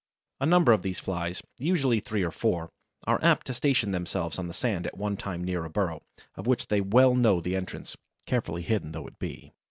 A number of these Flies, usually three or four, are apt to station themselves on the sand at one time near a burrow, of which they well know the entrance, carefully hidden though it be.